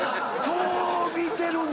そう見てるんだ！